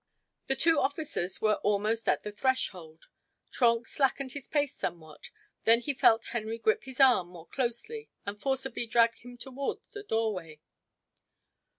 The two officers were almost at the threshold. Trenck slackened his pace somewhat; then he felt Henry grip his arm more closely and forcibly drag him toward the doorway.